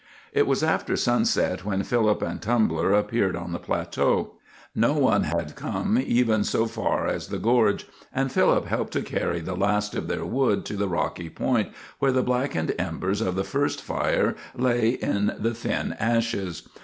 It was after sunset when Philip and Tumbler appeared on the plateau. No one had come even so far as the gorge; and Philip helped to carry the last of their wood to the rocky point where the blackened embers of the first fire lay in the thin ashes.